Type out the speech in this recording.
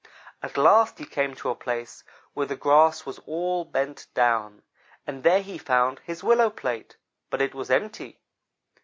At last he came to a place where the grass was all bent down, and there he found his willow plate, but it was empty.